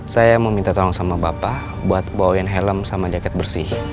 saya mau minta tolong sama bapak buat bawa helm sama jaket bersih